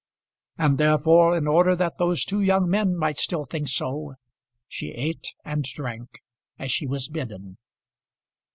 And therefore, in order that those two young men might still think so, she ate and drank as she was bidden.